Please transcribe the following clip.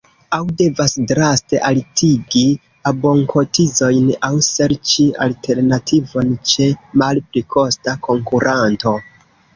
Aŭ devas draste altigi abonkotizojn aŭ serĉi alternativon ĉe malpli kosta konkuranto.